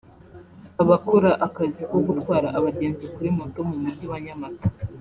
Abakora akazi ko gutwara abagenzi kuri Moto mu Mujyi wa Nyamata